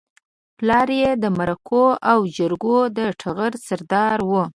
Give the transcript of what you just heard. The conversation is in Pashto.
پلار يې د مرکو او جرګو د ټغر سردار و.